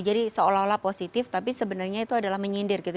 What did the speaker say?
jadi seolah olah positif tapi sebenarnya itu adalah menyindir gitu